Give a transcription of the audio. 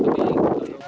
kurang lebih dua kilo